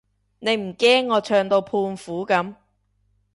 你唔驚我唱到胖虎噉？